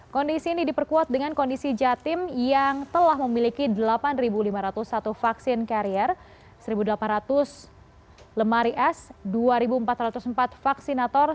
kondisi ini diperkuat dengan kondisi jatim yang telah memiliki delapan lima ratus satu vaksin karier satu delapan ratus lemari es dua empat ratus empat vaksinator